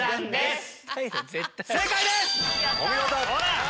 お見事！